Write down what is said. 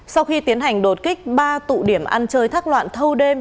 sau khi tiến hành đột kích ba tụ điểm ăn chơi thác loạn thâu đêm